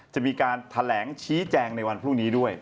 จะมีการแถลงชี้แจงในวันพรุ่งนี้ด้วย